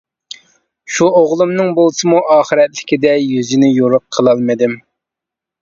شۇ ئوغلۇمنىڭ بولسىمۇ ئاخىرەتلىكىدە يۈزىنى يورۇق قىلالمىدىم.